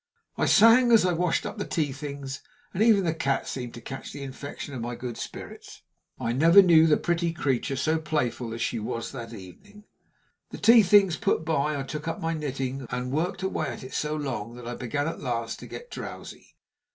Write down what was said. I sang as I washed up the tea things; and even the cat seemed to catch the infection of my good spirits. I never knew the pretty creature so playful as she was that evening. The tea things put by, I took up my knitting, and worked away at it so long that I began at last to get drowsy.